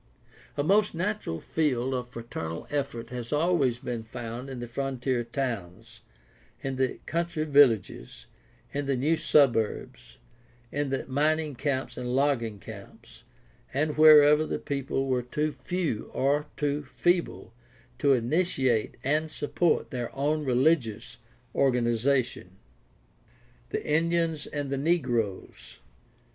A most natural field of fraternal effort has always been found in the frontier towns, in the country villages, in the new suburbs, in the mining camps and logging camps, and wherever the people were too few or too feeble to initiate aifd support their own religious organization. The Indians and the negroes.